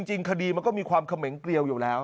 จริงคดีมันก็มีความเขมงเกลียวอยู่แล้ว